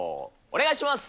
お願いします。